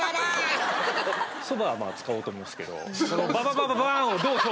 そばは使おうと思うんですけど。